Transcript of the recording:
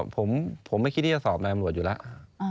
ผมไม่คิดที่จะสอบนายตำรวจอยู่แล้ว